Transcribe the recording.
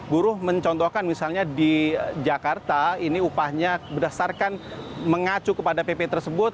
buruh mencontohkan misalnya di jakarta ini upahnya berdasarkan mengacu kepada pp tersebut